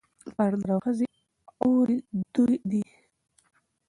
پر نر او ښځي اوري دُرې دي